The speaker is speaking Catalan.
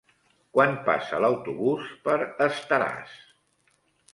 Quan passa l'autobús per Estaràs?